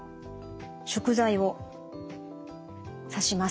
食材を刺します。